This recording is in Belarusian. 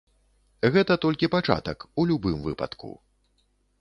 Гэта толькі пачатак, у любым выпадку.